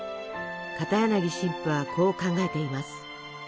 片柳神父はこう考えています。